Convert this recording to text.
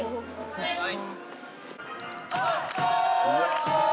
はい！